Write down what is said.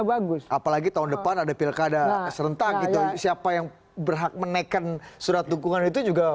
bagus apalagi tahun depan ada pilkada serentak gitu siapa yang berhak menaikkan surat dukungan itu juga